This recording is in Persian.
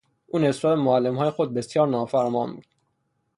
او نسبت به معلمهای خود بسیار نافرمان بود.